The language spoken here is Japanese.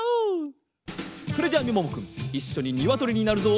それじゃみももくんいっしょににわとりになるぞ。